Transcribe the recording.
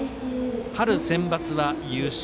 春センバツは優勝。